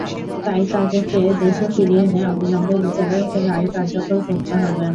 তাই তাঁকে দেশে ফিরিয়ে এনে অবিলম্বে বিচারের রায় কার্যকর করতে হবে।